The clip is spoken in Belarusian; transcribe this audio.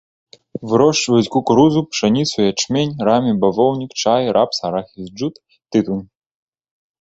Вырошчваюць кукурузу, пшаніцу, ячмень, рамі, бавоўнік, чай, рапс, арахіс, джут, тытунь.